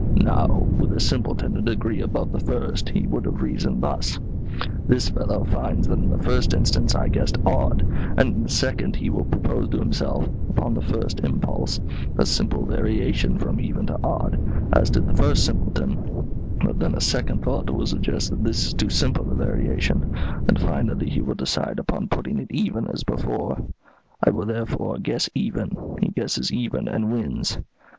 Now, with a simpleton a degree above the first, he would have reasoned thus: 'This fellow finds that in the first instance I guessed odd, and in the second he will propose to himself, upon the first impulse, a simple variation from even to odd, as did the first simpleton; but then a second thought will suggest that this is too simple a variation, and finally he will decide upon putting it even as before. I will therefore guess even;' he guesses even and wins.